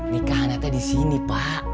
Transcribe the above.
nikahannya disini pak